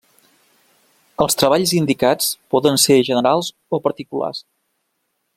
Els treballs indicats poden ser generals o particulars.